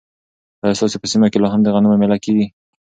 ایا ستاسو په سیمه کې لا هم د غنمو مېله کیږي؟